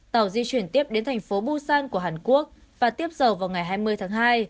tàu di chuyển tiếp đến thành phố busan của hàn quốc và tiếp giờ vào ngày hai mươi tháng hai